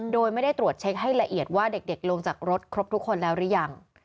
โดยไม่ได้ตรวจเช็คให้ละเอียดว่าเด็กลงจากรถครบทุกคนแล้วหรือยัง